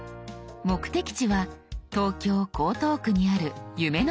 目的地は東京江東区にある夢の島公園。